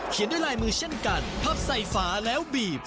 ด้วยลายมือเช่นกันพับใส่ฝาแล้วบีบ